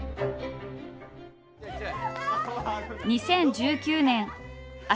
２０１９年朝